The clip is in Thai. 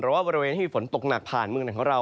ว่าบริเวณที่มีฝนตกหนักผ่านเมืองไหนของเรา